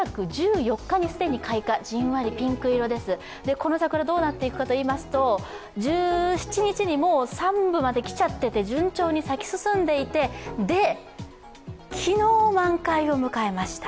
この桜どうなっていくかといいますと、１７日にもうもう三分まできちゃって順調に咲き進んでいて昨日満開を迎えました。